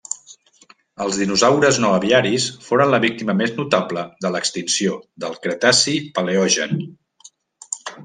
Els dinosaures no aviaris foren la víctima més notable de l'extinció del Cretaci-Paleogen.